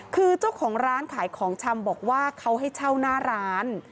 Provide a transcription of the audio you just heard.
คือเจ้าของร้านขายของชำบอกว่าเขาให้เช่าหน้าร้าน